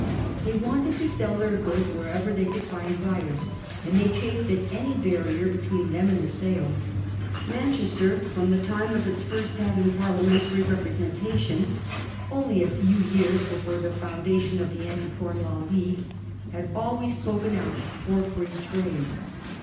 They wanted to sell their goods wherever they could find buyers, and they chafed at any. barrier between them and the sale. Manchester, from the time of its first having Parlia mentary representation — only a few years before the foundation of the Anti Corn Law League — had always spoken out for Free Trade.